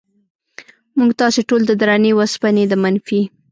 موږ تاسې ټول د درنې وسپنې د منفي